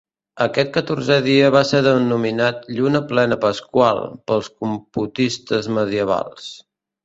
Aquest catorzè dia va ser denominat "lluna plena pasqual" pels computistes medievals.